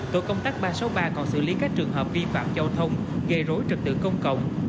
tổ công tác ba trăm sáu mươi ba còn xử lý các trường hợp vi phạm giao thông gây rối trực tự công cộng